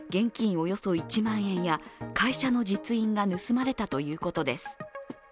およそ１万円や会社の実印が盗まれたということです。